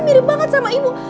mirip banget sama ibu